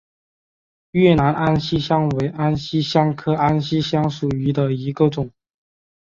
越南安息香为安息香科安息香属下的一个种。